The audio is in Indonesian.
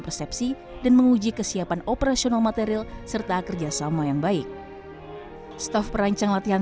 persepsi dan menguji kesiapan operasional material serta kerjasama yang baik staf perancang latihan